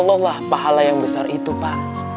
allah pahala yang besar itu pak